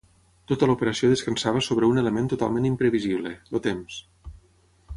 Tota l'operació descansava sobre un element totalment imprevisible: el temps.